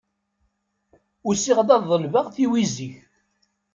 Usiɣ-d ad ḍelbeɣ tiwizi-k.